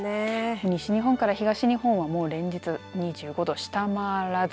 西日本から東日本はもう連日２５度下回らず。